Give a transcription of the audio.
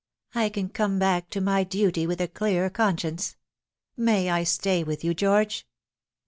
I can come back to my duty with a clear conscience. May I stay with you, George